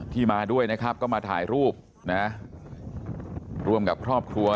มาด้วยนะครับก็มาถ่ายรูปนะร่วมกับครอบครัว